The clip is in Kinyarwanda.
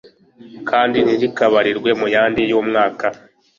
kandi ntirikabarirwe mu yandi y'umwaka